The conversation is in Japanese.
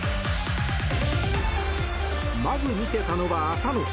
まず見せたのは浅野。